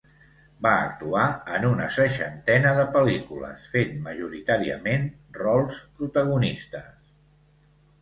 Va actuar en una seixantena de pel·lícules, fent majoritàriament rols protagonistes.